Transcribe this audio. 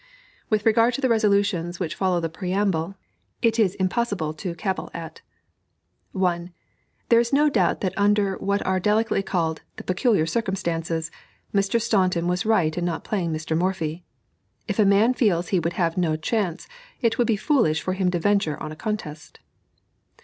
With regard to the resolutions which follow the preamble, it is impossible to cavil at. (1.) There is no doubt that under what are delicately called "the peculiar circumstances," Mr. Staunton was right in not playing Mr. Morphy. If a man feels he would have no chance, it would be foolish for him to venture on a contest.